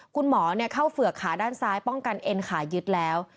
คุณหมอเข้าเฝือกขาด้านซ้ายป้องกันเอ็นขายึดแล้ว